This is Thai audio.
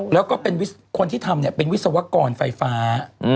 แล้วก็คนที่ทำเนี่ยเป็นวิศวกรไฟฟ้า